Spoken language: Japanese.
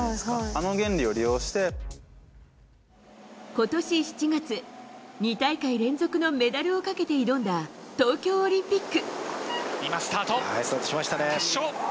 今年７月、２大会連続のメダルをかけて挑んだ東京オリンピック。